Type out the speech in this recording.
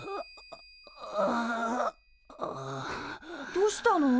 どうしたの？